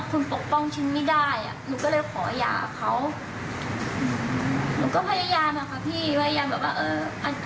ขออีกสักคนหนึ่งที่มาดูแลเราได้